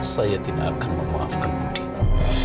saya tidak akan memaafkan mungkin